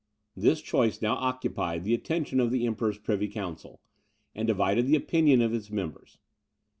This choice now occupied the attention of the Emperor's privy council, and divided the opinions of its members.